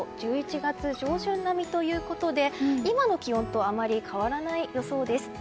１１月上旬並みということで今の気温とあまり変わらない予想です。